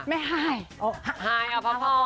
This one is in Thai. อะไรอ่ะ